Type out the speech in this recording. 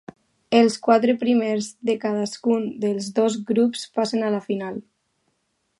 Els quatre primers de cadascun dels dos grups passen a la final.